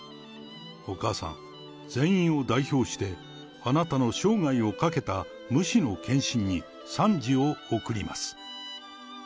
お母さん、全員を代表して、あなたの生涯をかけた無私の献身に賛辞を贈ります。